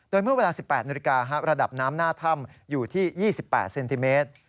โดยเมื่อเวลา๑๘นาฬิการะดับน้ำหน้าถ้ำอยู่ที่๒๘เซนติเมตร